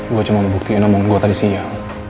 gue cuma mau buktiin omong gue tadi sinyal